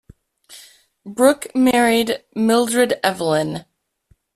Brook married Mildred Evelyn.